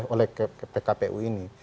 oleh pkpu ini